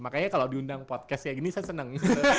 makanya kalau diundang podcast kayak gini saya senang